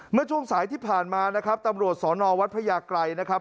เมื่อช่วงสายที่ผ่านมานะครับตำรวจสอนอวัดพระยากรัยนะครับ